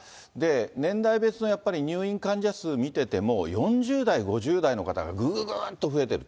年代別のやっぱり、入院患者数見てても、４０代５０代の方がぐぐっと増えている。